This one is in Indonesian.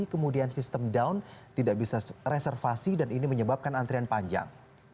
kemudian sistem down tidak bisa reservasi dan ini menyebabkan antrian panjang